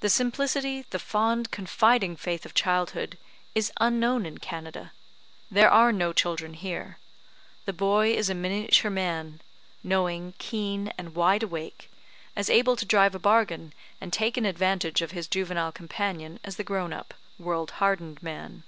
The simplicity, the fond, confiding faith of childhood is unknown in Canada. There are no children here. The boy is a miniature man knowing, keen, and wide awake; as able to drive a bargain and take an advantage of his juvenile companion as the grown up, world hardened man.